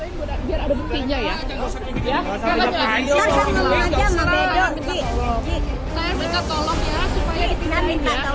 saya pindahin buat agar ada buktinya ya